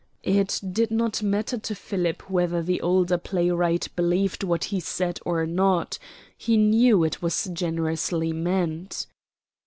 It did not matter to Philip whether the older playwright believed what he said or not; he knew it was generously meant.